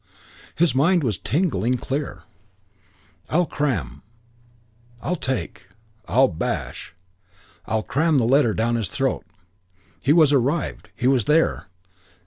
His mind was tingling clear. "I'll cram ... I'll take ... I'll bash ... I'll cram the letter down his throat." He was arrived! He was here!